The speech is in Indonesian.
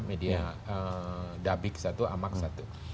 media dabik satu amak satu